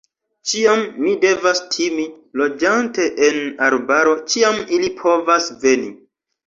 Ĉiam mi devas timi, loĝante en arbaro, ĉiam ili povas veni!